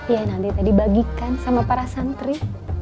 ya nanti tadi bagikan sama para santri